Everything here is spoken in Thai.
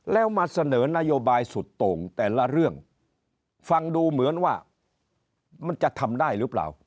แล้วมาเสนอนโยบายสุดโต่งแต่ละเรื่องฟังดูเหมือนว่ามันจะทำได้หรือเปล่า